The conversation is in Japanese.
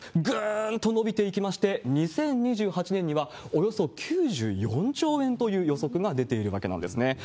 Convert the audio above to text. ぐーんと伸びていきまして、２０２８年にはおよそ９４兆円という予測が出ているわけなんですね。